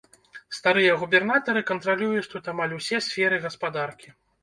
Старыя губернатары кантралююць тут амаль усе сферы гаспадаркі.